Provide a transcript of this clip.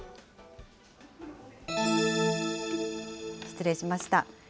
失礼しました。